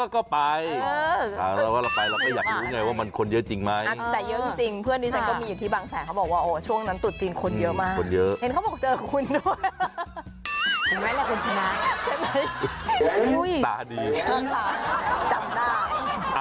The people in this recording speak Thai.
คนเยอะมากคนเยอะเห็นเขาบอกเจอคุณด้วยเห็นไหมเราก็ชนะใช่ไหมตาดีเออค่ะจำได้